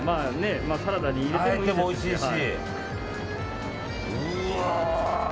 サラダに入れてもおいしいし。